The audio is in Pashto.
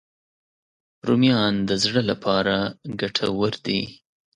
رومیان د زړه لپاره ګټور دي